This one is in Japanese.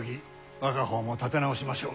我が方も立て直しましょう。